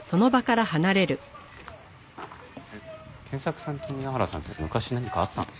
賢作さんと宮原さんって昔何かあったの？